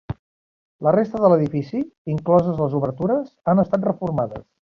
La resta de l'edifici, incloses les obertures, han estat reformades.